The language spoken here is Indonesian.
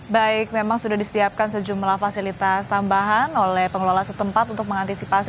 baik memang sudah disiapkan sejumlah fasilitas tambahan oleh pengelola setempat untuk mengantisipasi